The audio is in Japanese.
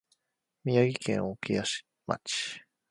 宮城県涌谷町